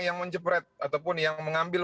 yang menjepret ataupun yang mengambil